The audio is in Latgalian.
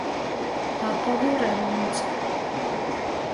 Apovu remonts.